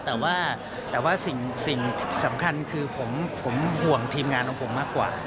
แต่ว่าสิ่งสำคัญคือผมห่วงทีมงานของผมมากกว่า